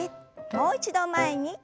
もう一度前に。